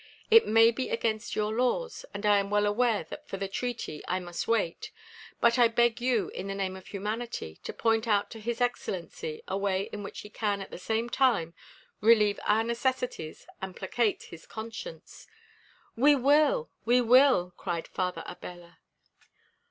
It may be against your laws, and I am well aware that for the treaty I must wait, but I beg you in the name of humanity to point out to his excellency a way in which he can at the same time relieve our necessities and placate his conscience." "We will! We will!" cried Father Abella.